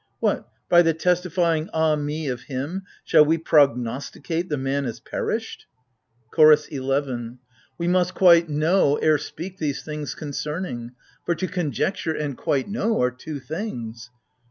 What, by the testifying " Ah me " of him, Shall we prognosticate the man as perished ? AGAMEMNON. 119 CHOROS II. We must quite know ere speak these things concerning For to conjecture and " quite know " are two things.